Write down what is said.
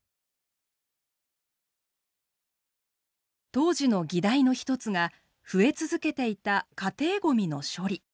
当時の議題の１つが増え続けていた家庭ごみの処理。